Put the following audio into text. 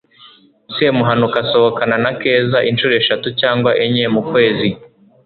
semuhanuka asohokana na keza inshuro eshatu cyangwa enye mu kwezi